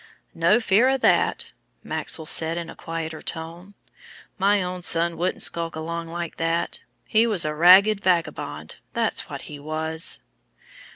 "No fear o' that," Maxwell said in a quieter tone. "My own son wouldn't skulk along like that. He was a ragged vagabond, that's what he was."